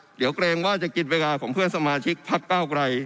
ชั้นเคยแต่งว่าจะกินเวลาของพวกพวกคุณสมาชิกพักเปลอใกล้